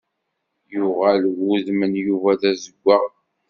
Yuɣal w udem n Yuba d azeggaɣ.